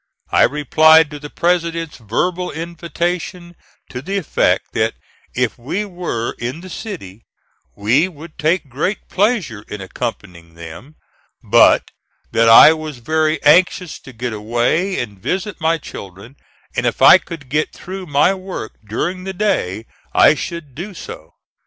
I replied to the President's verbal invitation to the effect, that if we were in the city we would take great pleasure in accompanying them; but that I was very anxious to get away and visit my children, and if I could get through my work during the day I should do so.